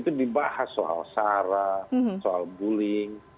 itu dibahas soal sara soal bullying